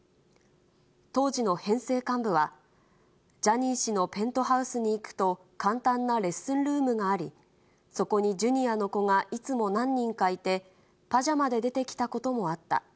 当時の編成幹部は、ジャニー氏のペントハウスに行くと、簡単なレッスンルームがあり、そこにジュニアの子がいつも何人かいて、パジャマで出てきたこともあった。